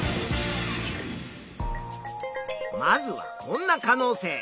まずはこんな可能性。